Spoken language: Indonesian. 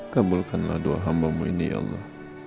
kabulkanlah doa hambamu ini ya allah